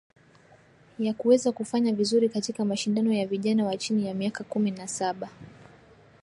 yakuweza kufanya vizuri katika mashindano ya vijana wa chini ya miaka kumi na saba